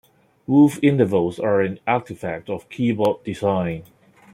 Wolf intervals are an artifact of keyboard design.